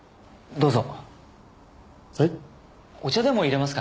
どうぞ。